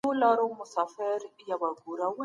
چي تا تر دې لا هم